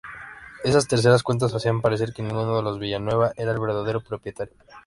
Esas terceras cuentas hacían parecer que ninguno de los Villanueva era el verdadero propietario.